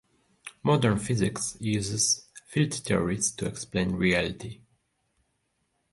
Modern physics uses field theories to explain reality.